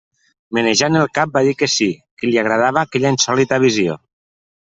Menejant el cap va dir que sí, que li agradava aquella insòlita visió.